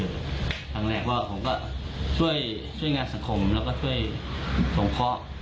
ครั้งแรกว่าผมก็ช่วยงานสังคมแล้วก็ช่วยสงเคราะห์